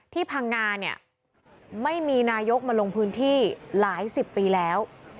พังงาเนี่ยไม่มีนายกมาลงพื้นที่หลายสิบปีแล้ว